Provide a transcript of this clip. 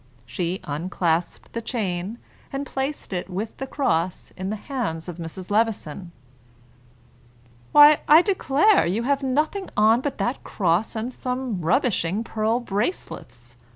She unclasped the chain, and placed it with the cross in the hands of Mrs. Levison. "Why, I declare you have nothing on but that cross and some rubbishing pearl bracelets!"